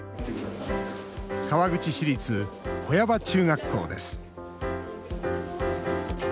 川口市立小谷場中学校です。